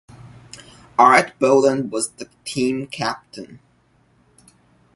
Art Boland was the team captain.